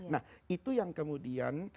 nah itu yang kemudian